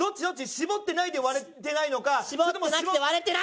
絞ってないで割れてないのか。